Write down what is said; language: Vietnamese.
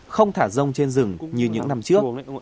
không thả rông trên rừng như những năm trước